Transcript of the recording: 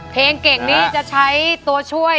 เพลงเก่งนี้จะใช้ตัวช่วย